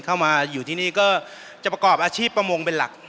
เข้ามาอยู่ที่นี่ก็จะประกอบอาชีพประมงเป็นหลัก